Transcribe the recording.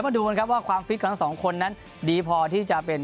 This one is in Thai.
มาดูมันครับว่าความฟิสก์ของด้าน๒คนนะดีพอที่จะเป็น